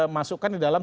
masukkan di dalam